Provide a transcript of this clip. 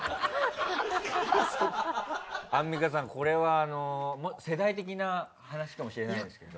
アンミカさんこれは世代的な話かもしれないですけど。